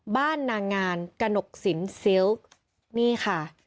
บ้านนางงานกระหนกศิลป์ซิลค์